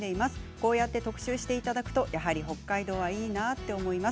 こうやって特集していただくと北海道はいいなと思います。